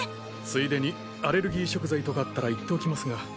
ついでにアレルギー食材とかあったら言っておきますが。